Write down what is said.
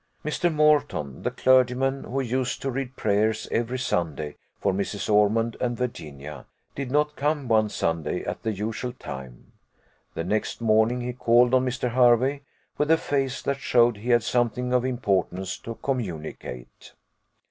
Mr. Moreton, the clergyman who used to read prayers every Sunday for Mrs. Ormond and Virginia, did not come one Sunday at the usual time: the next morning he called on Mr. Hervey, with a face that showed he had something of importance to communicate.